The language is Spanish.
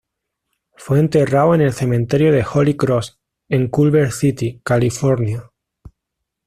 Fue enterrado en el cementerio de Holy Cross, en Culver City, California.